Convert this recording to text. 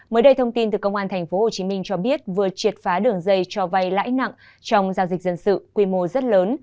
mới đây thông tin từ công an tp hcm cho biết vừa triệt phá đường dây cho vay lãi nặng trong giao dịch dân sự quy mô rất lớn